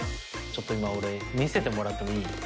ちょっと今俺見せてもらってもいい？